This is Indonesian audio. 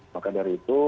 maka dari itu